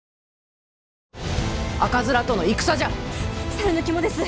猿の肝です！